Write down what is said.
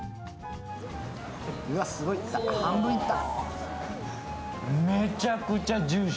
うわ、すごいいった、半分いった。